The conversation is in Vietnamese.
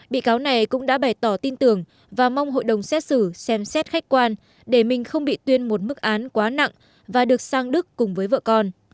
bị cáo này cũng đã bày tỏ tin tưởng và mong hội đồng xét xử xem xét khách quan để mình không bị tuyên một mức án quá nặng và được sang đức cùng với vợ con